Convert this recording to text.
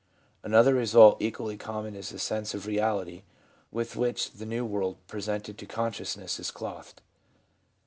Another result equally common is the sense of reality with which the new world presented to consciousness is clothed.